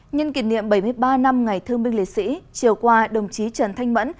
nhân kỷ niệm bảy mươi ba năm ngày thương binh liệt sĩ chiều qua đồng chí trần thanh mẫn